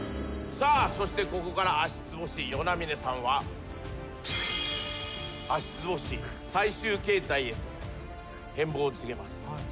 そしてここから足つぼ師與那嶺さんは足つぼ師最終形態へと変貌を遂げます。